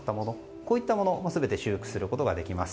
こういったものも全て修復することができます。